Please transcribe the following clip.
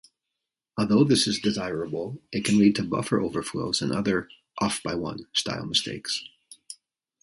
Although this is desirable, it can lead to buffer overflows and other "off-by-one"-style mistakes.